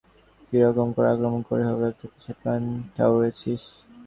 কিরকম করে আক্রমণ করতে হবে একটা কিছু প্ল্যান ঠাউরেছিস?